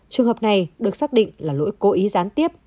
trường hợp này được xác định là lỗi cố ý gián tiếp